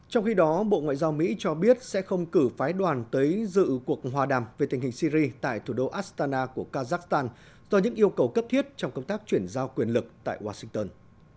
trong khi đó bộ ngoại giao mỹ cho biết sẽ không cử phái đoàn tới dự cuộc hòa đàm về tình hình syri tại thủ đô astana của kazakhstan do những yêu cầu cấp thiết trong công tác chuyển giao quyền lực tại washington